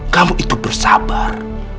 kamu itu bersabar